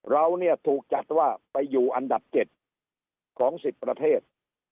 เราเนี่ยถูกจัดว่าไปอยู่อันดับ๗ของ๑๐ประเทศ